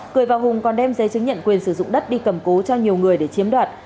cường và hùng còn đem giấy chứng nhận quyền sử dụng đất đi cầm cố cho nhiều người để chiếm đoạt